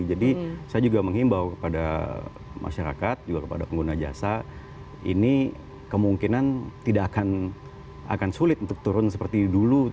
saya juga menghimbau kepada masyarakat juga kepada pengguna jasa ini kemungkinan tidak akan sulit untuk turun seperti dulu